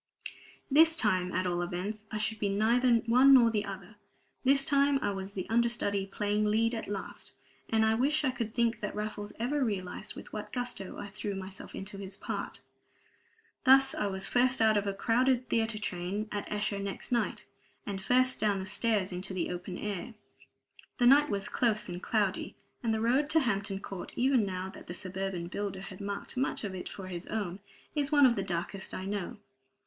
This time, at all events, I should be neither one nor the other; this time I was the understudy playing lead at last; and I wish I could think that Raffles ever realized with what gusto I threw myself into his part. Thus I was first out of a crowded theatre train at Esher next night, and first down the stairs into the open air. The night was close and cloudy; and the road to Hampton Court, even now that the suburban builder has marked much of it for his own, is one of the darkest I know.